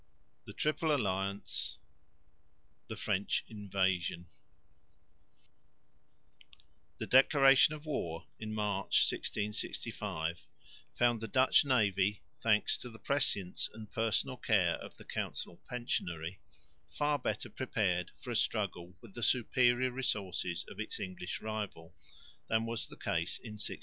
THE TRIPLE ALLIANCE. THE FRENCH INVASION THE declaration of war in March, 1665, found the Dutch navy, thanks to the prescience and personal care of the council pensionary, far better prepared for a struggle with the superior resources of its English rival than was the case in 1654.